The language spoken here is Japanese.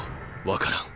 分からん。